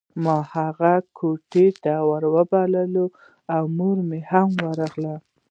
ما هغه کوټې ته راوبلله او مور هم ورغله